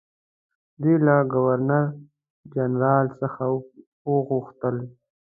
دوی له ګورنرجنرال څخه وغوښتل.